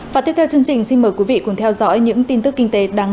và tiếp theo chương trình xin mời quý vị cùng theo dõi những tin tức kinh tế đáng chú